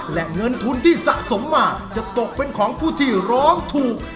และเงินทุนที่สะสมมาจะตกเป็นของผู้ที่ร้องถูก